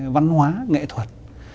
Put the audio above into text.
văn hóa nghệ thuật